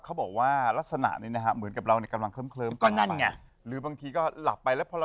เขาบอกว่ารักษณะเนี่ยนะครับ